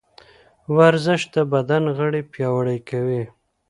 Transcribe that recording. ورزش د بدن غړي پیاوړي کوي.